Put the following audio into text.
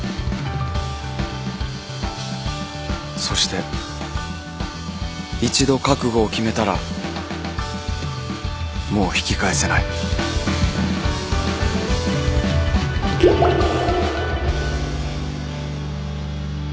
そして一度覚悟を決めたらもう引き返せないハァ。